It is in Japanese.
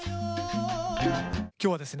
今日はですね